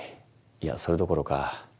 いやそれどころか。